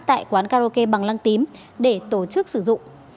tại quán karaoke bằng lăng tím để tổ chức sử dụng